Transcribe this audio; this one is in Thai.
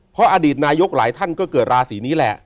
เพราะอดีตนายกหลายท่านก็เกิดราศีนี้แหละ